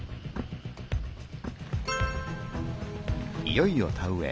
いよいよ田植え。